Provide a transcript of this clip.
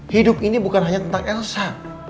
hidup ini bukan hanya tentang elsa